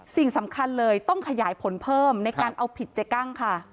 สิ่งสำคัญเลยต้องขยายผลเพิ่มในการเอาผิดเจ๊กั้งค่ะ